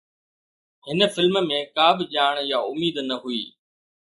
هن فلم ۾ ڪا به ڄاڻ يا اميد نه هئي